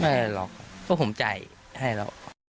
ไม่ได้ล็อกเพราะผมจ่ายให้แล้ว